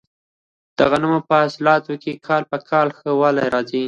د غنمو په حاصلاتو کې کال په کال ښه والی راځي.